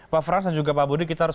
pak frans dan juga pak budi kita harus